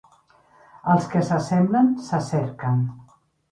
Els que s'assemblen se cerquen.